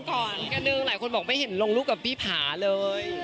ก่อนกระนึงหลายคนบอกไม่เห็นลงรูปกับพี่ผาเลย